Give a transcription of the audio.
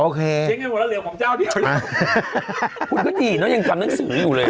เช็คเงินหมดแล้วเหลวของเจ้าเดียวคุณก็ดีเนอะยังทำหนังสืออยู่เลย